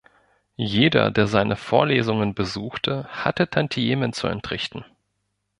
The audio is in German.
Jeder, der seine Vorlesungen besuchte, hatte Tantiemen zu entrichten.